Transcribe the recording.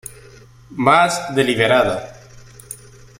Más deliberada.